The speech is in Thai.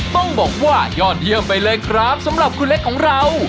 ต้องบอกว่ายอดเยี่ยมไปเลยครับสำหรับคุณเล็กของเรา